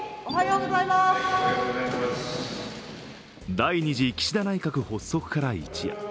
第２次岸田内閣発足から一夜。